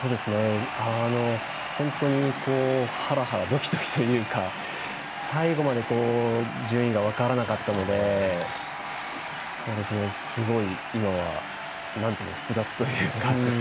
本当にハラハラドキドキというか最後まで順位が分からなかったのですごい、今はなんとも複雑というか。